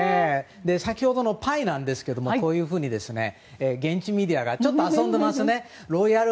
先ほどのパイなんですけれどもこういうふうに現地メディアがちょっと遊んでますね。